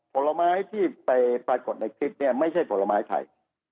ผลไม้ที่ไปปรากฏในคลิปเนี่ยไม่ใช่ผลไม้ไทย